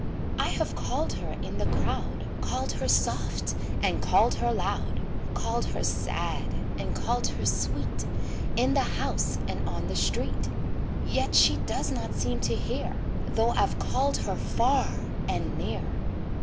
I have called her in the crowd, Called her soft and called her loud, Called her sad and called her sweet, In the house and on the street. Yet she does not seem to hear, Though I've called her far and near.